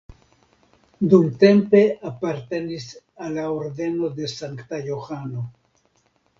Dumtempe apartenis al la Ordeno de Sankta Johano.